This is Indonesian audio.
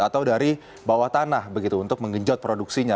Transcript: atau dari bawah tanah begitu untuk menggenjot produksinya